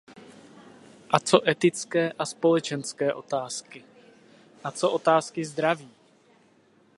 A co etické a společenské otázky? A co otázky zdraví?